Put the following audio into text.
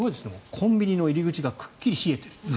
コンビニの入り口がくっきり冷えている。